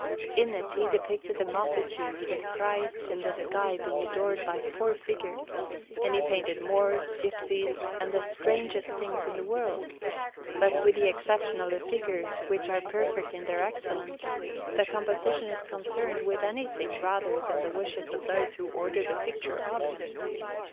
In it he depicted a multitude, with Christ in the sky being adored by four figures, and he painted Moors, Gypsies, and the strangest things in the world; but, with the exception of the figures, which are perfect in their excellence, the composition is concerned with anything rather than the wishes of those who ordered the picture of him.